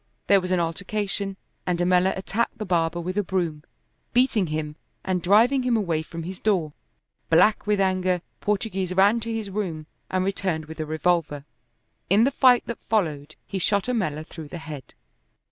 There was an altercation, and Ammella attacked the barber with a broom, beating him and driving him away from his door. Black with anger, Portoghese ran to his room and returned with a revolver. In the fight that followed he shot Ammella through the head.